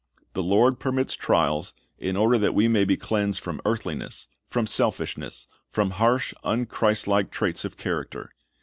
The Lord permits trials in order that we may be cleansed from earthliness, from selfishness, from harsh, unchristlike traits of character.